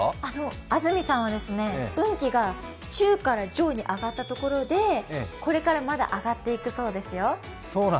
安住さんは、運気が中から上に上がったところで、これからまだ上がっていくそうですよ。